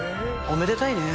おめでたいね